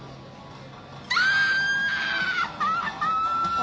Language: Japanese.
あ！